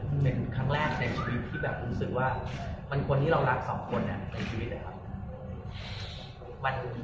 มันเป็นครั้งแรกในชีวิตที่แบบผมรู้สึกว่ามันคนที่เรารักสองคนในชีวิตนะครับ